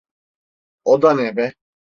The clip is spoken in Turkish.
O da ne be?